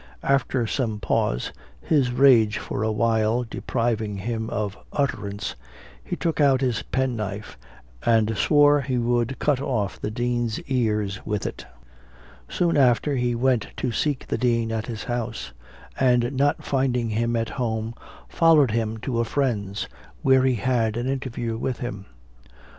After some pause, his rage for a while depriving him of utterance, he took out his penknife, and swore he would cut off the Dean's ears with it. Soon after he went to seek the Dean at his house; and not finding him at home, followed him to a friend's, where he had an interview with him.